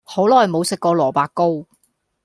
好耐無食過蘿蔔糕